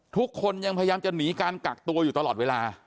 ทุกคนยังพยายามจะหนีการกักตัวอยู่ตลอดเวลา